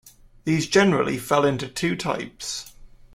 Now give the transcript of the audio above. These generally fell into two types.